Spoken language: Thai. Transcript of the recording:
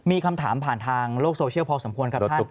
มีคำถามผ่านทางโลกโซเชียลพอสมควรครับ